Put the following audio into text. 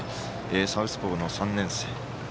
サウスポーの３年生。